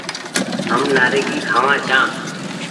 هم نآريگي کآوآن ڇآن ۔